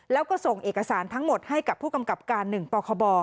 แล้วก็ส่งเอกสารทั้งหมดให้กับผู้กำกับการ๑ปคบ